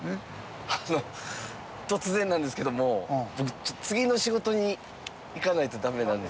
あの突然なんですけども僕ちょっと次の仕事に行かないとダメなんですよ。